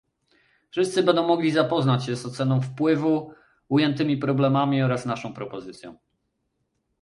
Wszyscy będą mogli zapoznać się z oceną wpływu, ujętymi problemami oraz z naszą propozycją